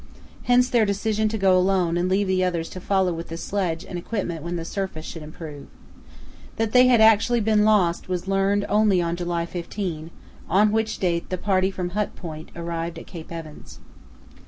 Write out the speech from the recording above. Hence their decision to go alone and leave the others to follow with the sledge and equipment when the surface should improve. That they had actually been lost was learned only on July 15, on which date the party from Hut Point arrived at Cape Evans.